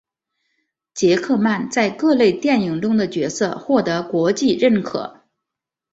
杰克曼在各类电影中的角色获得国际认可。